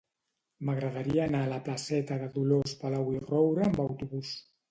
M'agradaria anar a la placeta de Dolors Palau i Roura amb autobús.